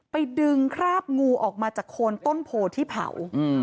ไปดึงคราบงูออกมาจากโคนต้นโพที่เผา